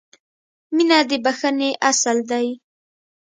• مینه د بښنې اصل دی.